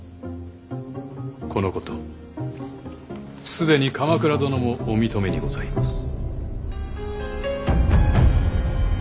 このこと既に鎌倉殿もお認めにございます。